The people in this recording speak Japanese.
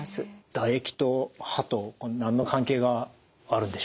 唾液と歯と何の関係があるんでしょうか？